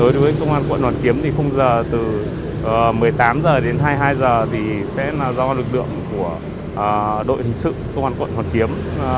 đối với công an quận hoàn kiếm thì khung giờ từ một mươi tám h đến hai mươi hai h thì sẽ là do lực lượng của đội hình sự công an quận hoàn kiếm